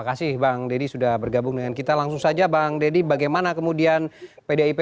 terima kasih bang deddy sudah bergabung dengan kita langsung saja bang deddy bagaimana kemudian pdip